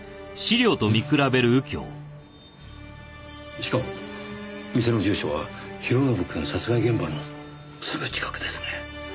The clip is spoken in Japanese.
しかも店の住所は弘信くん殺害現場のすぐ近くですね。